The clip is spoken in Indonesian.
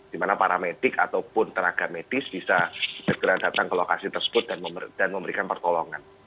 di mana para medik ataupun tenaga medis bisa segera datang ke lokasi tersebut dan memberikan pertolongan